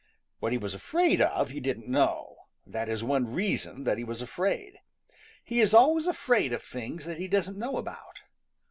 What he was afraid of, he didn't know. That is one reason that he was afraid. He is always afraid of things that he doesn't know about.